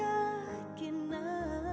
aku gak bisa memperasa